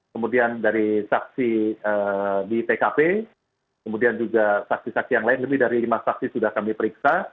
kemudian dari saksi di tkp kemudian juga saksi saksi yang lain lebih dari lima saksi sudah kami periksa